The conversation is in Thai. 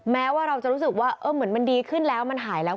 แม้ว่าเราจะรู้สึกว่าเหมือนมันดีขึ้นแล้วมันหายแล้ว